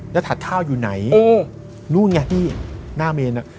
แล้วถัดข้าวอยู่ไหนนู่นไงพี่หน้าเมนอ่ะ